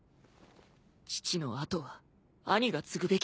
父の跡は兄が継ぐべきなのだ。